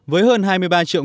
với hơn hai mươi ba triệu người